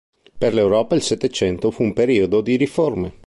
Per l'Europa il Settecento fu un periodo di riforme.